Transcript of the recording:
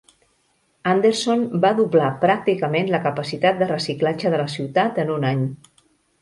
Anderson va doblar pràcticament la capacitat de reciclatge de la ciutat en un any.